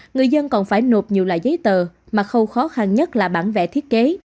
người dân còn phải nộp nhiều loại giấy tờ mà khâu khó khăn nhất là bản vẽ thiết kế